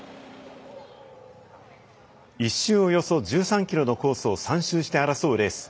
１周、およそ１３ｋｍのコースを３周して争うレース。